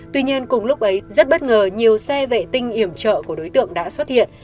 tuy nhiên cùng lúc ấy rất bất ngờ nhiều xe vệ tinh iểm trợ của đối tượng đã xuất hiện